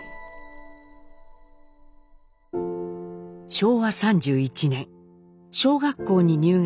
昭和３１年小学校に入学したひろし。